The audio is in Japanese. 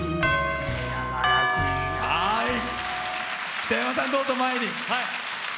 北山さん、どうぞ前に。